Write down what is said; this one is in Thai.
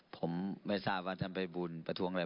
ผมไม่ทราบว่าท่านภัยบุญประท้วงอะไร